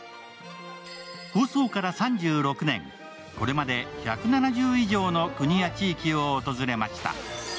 放送から３６年、これまで１７０以上の国や地域を訪れました。